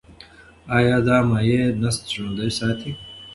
ایا دا مایع نسج ژوندی ساتي؟